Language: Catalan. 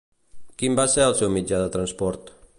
Quin va ser el seu mitjà de transport?